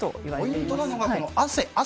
ポイントなのが汗。